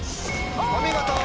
お見事。